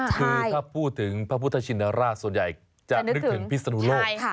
คือถ้าพูดถึงพระพุทธชินราชส่วนใหญ่จะนึกถึงพิศนุโลก